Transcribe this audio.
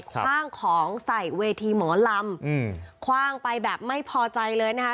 คว่างของใส่เวทีหมอลำคว่างไปแบบไม่พอใจเลยนะคะ